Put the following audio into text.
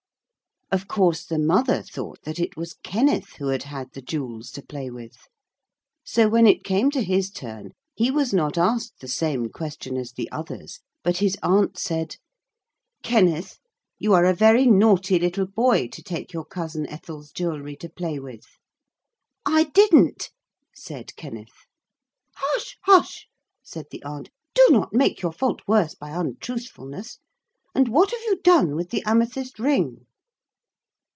Of course the mother thought that it was Kenneth who had had the jewels to play with. So when it came to his turn he was not asked the same question as the others, but his aunt said: 'Kenneth, you are a very naughty little boy to take your cousin Ethel's jewelry to play with.' 'I didn't,' said Kenneth. 'Hush! hush!' said the aunt, 'do not make your fault worse by untruthfulness. And what have you done with the amethyst ring?'